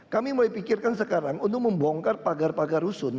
kami mulai pikirkan sekarang untuk membongkar pagar pagar rusun